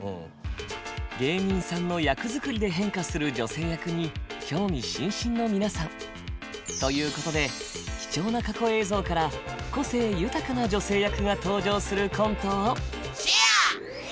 芸人さんの役作りで変化する女性役に興味津々の皆さん。ということで貴重な過去映像から個性豊かな女性役が登場するコントを「シェア！」。